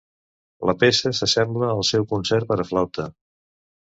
La peça s'assembla al seu concert per a flauta.